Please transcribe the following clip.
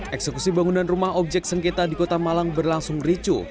eksekusi bangunan rumah objek sengketa di kota malang berlangsung ricu